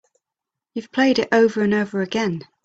You've played it over and over again.